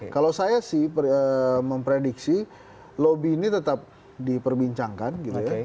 kalau saya sih memprediksi lobby ini tetap diperbincangkan gitu ya